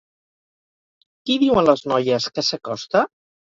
Qui diuen les noies que s'acosta?